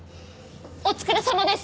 お疲れさまです！